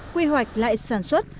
quy hoạch lại sản xuất